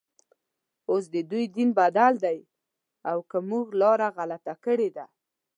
اوس ددوی دین بدل دی او که موږ لاره غلطه کړې ده.